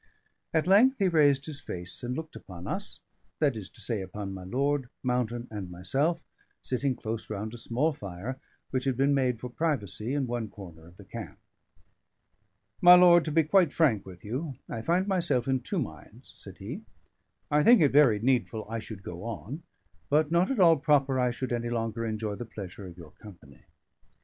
At length he raised his face and looked upon us, that is to say, upon my lord, Mountain, and myself, sitting close round a small fire, which had been made for privacy in one corner of the camp. "My lord, to be quite frank with you, I find myself in two minds," said he. "I think it very needful I should go on, but not at all proper I should any longer enjoy the pleasure of your company.